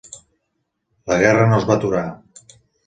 La guerra no es va aturar.